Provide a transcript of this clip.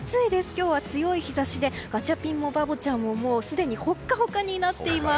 今日は強い日差しでガチャピンもバボちゃんももうすでにほっかほかになっています。